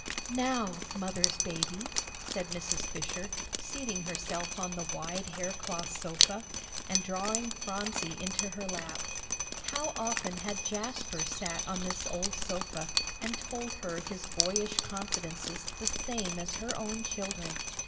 "Now, Mother's baby," said Mrs. Fisher, seating herself on the wide haircloth sofa, and drawing Phronsie into her lap. How often had Jasper sat on this old sofa and told her his boyish confidences the same as her own children!